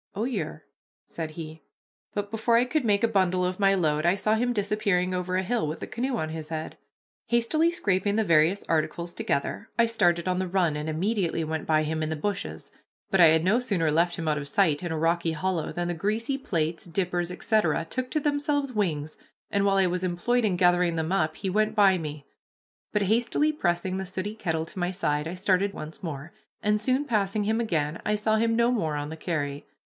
"Oh, yer," said he; but before I could make a bundle of my load I saw him disappearing over a hill with the canoe on his head. Hastily scraping the various articles together, I started on the run, and immediately went by him in the bushes, but I had no sooner left him out of sight in a rocky hollow than the greasy plates, dippers, etc., took to themselves wings, and while I was employed in gathering them up, he went by me; but, hastily pressing the sooty kettle to my side, I started once more, and, soon passing him again, I saw him no more on the carry.